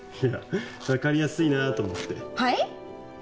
いや分かりやすいなと思ってはい？